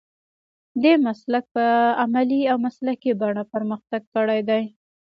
دې مسلک په عملي او مسلکي بڼه پرمختګ کړی دی.